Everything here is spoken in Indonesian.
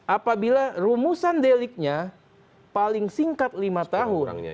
apabila rumusan deliknya paling singkat lima tahun